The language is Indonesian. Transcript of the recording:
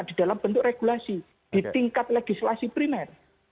di dalam bentuk regulasi di tingkat legislasi primer